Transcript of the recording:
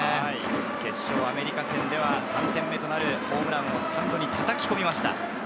決勝のアメリカ戦では３点目となるホームランをスタンドに叩き込みました。